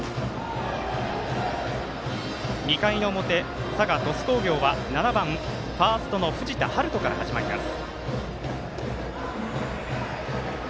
２回の表、佐賀、鳥栖工業は７番ファーストの藤田陽斗から始まります。